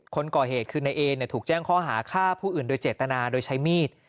คนก่อเหตุคือนายเอถูกแจ้งข้อหาฆ่าผู้อื่นโดยเจตนาโดยใช้มีด